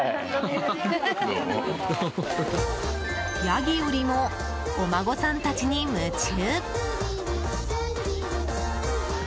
ヤギよりもお孫さんたちに夢中！